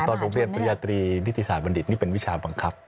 โรงเรียนปริญญาตรีนิติศาสตบัณฑิตนี่เป็นวิชาบังคับ